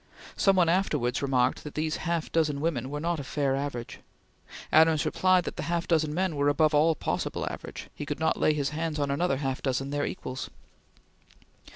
Some one afterwards remarked that these half dozen women were not a fair average. Adams replied that the half dozen men were above all possible average; he could not lay his hands on another half dozen their equals.